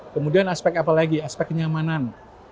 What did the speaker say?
kemudian aspek apa lagi aspek kenyamanan